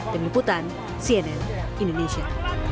demikian cnn indonesia